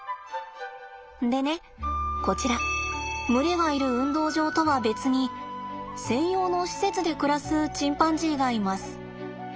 でねこちら群れがいる運動場とは別に専用の施設で暮らすチンパンジーがいます。